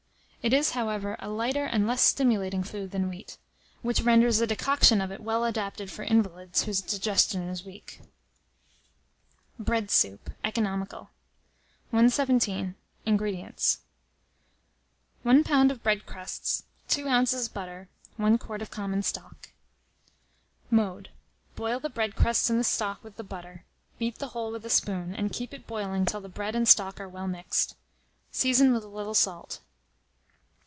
It is, however, a lighter and less stimulating food than wheat, which renders a decoction of it well adapted for invalids whose digestion is weak. BREAD SOUP. (Economical.) 117. INGREDIENTS. 1 lb. of bread crusts, 2 oz. butter, 1 quart of common stock. Mode. Boil the bread crusts in the stock with the butter; beat the whole with a spoon, and keep it boiling till the bread and stock are well mixed. Season with a little salt.